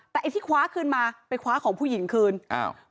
แต่ไอ้ที่คว้าคืนมาไปคว้าของผู้หญิงคืนอ้าว